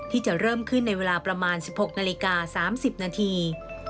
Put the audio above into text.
ที่จะเริ่มขึ้นในเวลาประมาณ๑๖นาฬิกา๓๐นาที